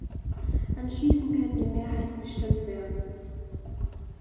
Anschließend können die Mehrheiten bestimmt werden.